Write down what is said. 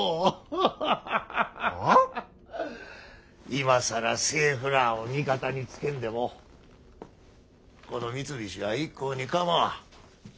今更政府らあを味方につけんでもこの三菱は一向に構わん。